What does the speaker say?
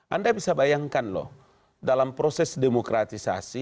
anda bisa bayangkan loh dalam proses demokratisasi